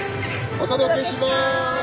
お届けします！